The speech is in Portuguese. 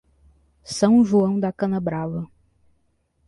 São João da Canabrava